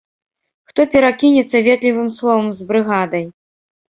Хто перакінецца ветлівым словам з брыгадай.